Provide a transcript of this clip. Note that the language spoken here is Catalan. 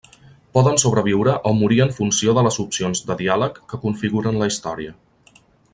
Poden sobreviure o morir en funció de les opcions de diàleg que configuren la història.